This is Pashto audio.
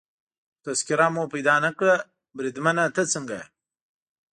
خو تذکیره مو پیدا نه کړل، بریدمنه ته څنګه یې؟